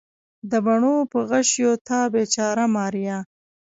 د بڼو په غشیو تا بیچاره ماریا